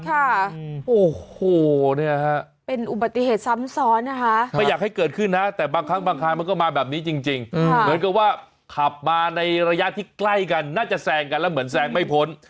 ค่ะโอ้โหเนี่ยฮะเป็นอุบัติเหตุซ้ำซ้อนนะคะไม่อยากให้เกิดขึ้นนะแต่บางครั้งบางคราวมันก็มาแบบนี้จริงเหมือนกับว่าขับมาในระยะที่ใกล้กันน่าจะแซงกันแล้วเหมือนแซงไม่พ้น